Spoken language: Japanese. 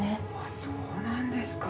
そうなんですか。